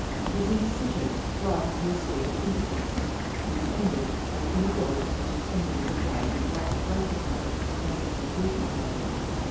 His indecision brought him to a state of impotence, and he ended by inability to do anything but dodge and lie, like his mother, and even with his mother.